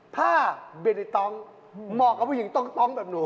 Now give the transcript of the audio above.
ผ้าบิลลิตรองมอบกับผู้หญิงต้องแบบหนู